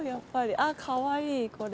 あかわいいこれ。